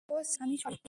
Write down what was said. ওহ Sally, আমি sorry!